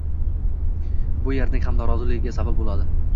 Bu erning ham roziligiga sabab bo‘ladi